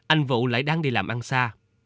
anh vụ lại đang đi làm ăn xa